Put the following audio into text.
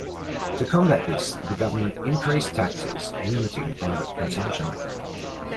To combat this, the government increased taxes, limiting private consumption.